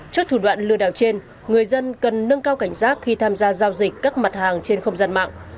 trước thủ đoạn lừa đảo trên người dân cần nâng cao cảnh giác khi tham gia giao dịch các mặt hàng trên không gian mạng